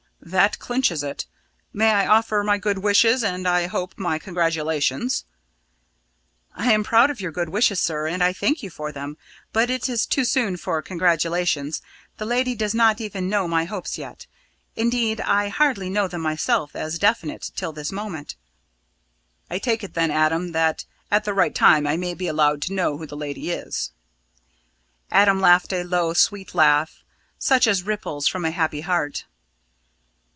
"That clinches it. May I offer my good wishes, and, I hope, my congratulations?" "I am proud of your good wishes, sir, and I thank you for them. But it is too soon for congratulations the lady does not even know my hopes yet. Indeed, I hardly knew them myself, as definite, till this moment." "I take it then, Adam, that at the right time I may be allowed to know who the lady is?" Adam laughed a low, sweet laugh, such as ripples from a happy heart.